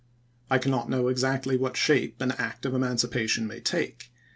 I cannot know exactly what shape an act of emancipation may take.